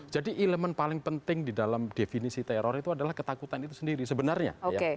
jadi elemen paling penting di dalam definisi teror itu adalah ketakutan itu sendiri sebenarnya